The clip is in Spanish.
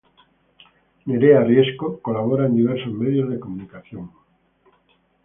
Nerea Riesco colabora en diversos medios de comunicación.